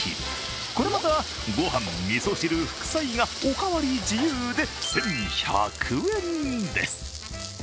これまた、ご飯、みそ汁、副菜がおかわり自由で１１００円です。